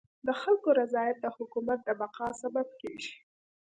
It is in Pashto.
د خلکو رضایت د حکومت د بقا سبب کيږي.